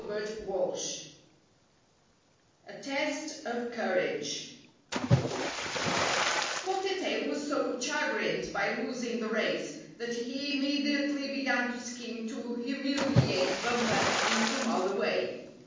STORY VI A TEST or COUEAGE Spotted Tail was so chagrined by losing the race that he immediately began to scheme to humiliate Bumper in some other way.